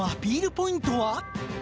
ポイントは？